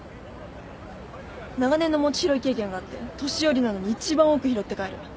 長年の餅拾い経験があって年寄りなのに一番多く拾って帰る。